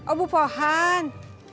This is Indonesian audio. oh bu pohan